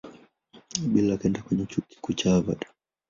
Bill akaenda kwenye Chuo Kikuu cha Harvard.